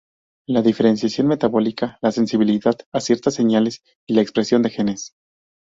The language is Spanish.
La diferenciación metabólica, la sensibilidad a ciertas señales y la expresión de genes.